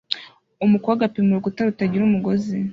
Umukobwa apima urukuta rutagira umugozi